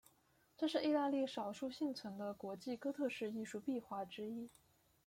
这是意大利少数幸存的国际哥特式艺术壁画之一。